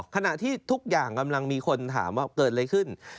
ขณะที่ทุกอย่างกำลังมีคนถามว่าเกิดอะไรขึ้น